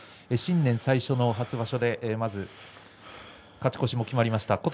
新年、最初の初場所でまず勝ち越しも決まりました。